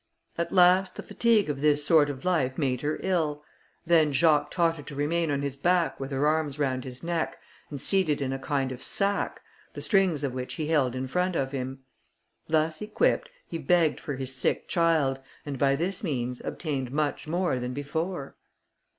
At last the fatigue of this sort of life made her ill. Then Jacques taught her to remain on his back with her arms round his neck, and seated in a kind of sack, the strings of which he held in front of him. Thus equipped, he begged for his sick child, and by this means obtained much more than before.